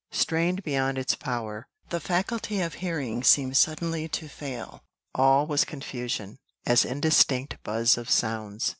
Strained beyond its power, the faculty of hearing seemed suddenly to fail all was confusion, an indistinct buzz of sounds.